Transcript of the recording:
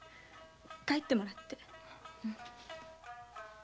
帰ってもらって。